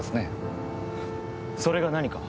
それが何か？